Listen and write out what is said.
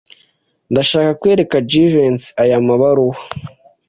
Ndashaka kwereka Jivency aya mabaruwa.